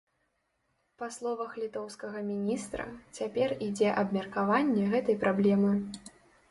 Па словах літоўскага міністра, цяпер ідзе абмеркаванне гэтай праблемы.